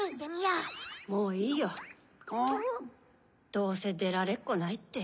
どうせでられっこないって。